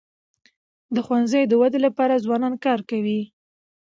د ښوونځیو د ودی لپاره ځوانان کار کوي.